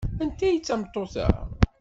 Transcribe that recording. Anta ay d tameṭṭut-a?